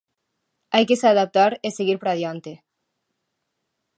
Hai que se adaptar e seguir para adiante.